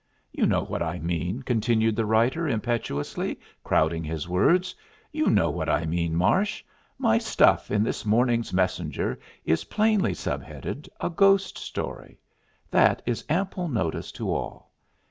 "You know what I mean," continued the writer, impetuously crowding his words "you know what I mean, Marsh. My stuff in this morning's Messenger is plainly sub headed 'A Ghost Story.' That is ample notice to all.